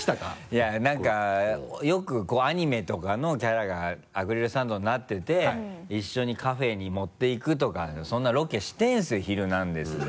いやなんかよくアニメとかのキャラがアクリルスタンドになってて一緒にカフェに持って行くとかそんなロケしてるんですよ